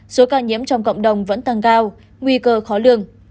số ca nhiễm trong cộng đồng vẫn tăng cao nguy cơ khó lường